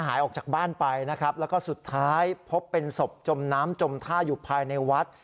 หายออกจากบ้านไปนะครับแล้วก็สุดท้ายพบเป็นศพจมน้ำจมท่าอยู่ภายในวัด